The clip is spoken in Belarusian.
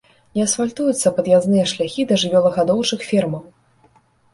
Не асфальтуюцца пад'язныя шляхі да жывёлагадоўчых фермаў.